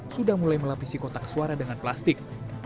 sudah mulai melapisi kotak suara dengan plastik